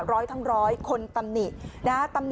ร้อยทั้งร้อยคนตำหนินะ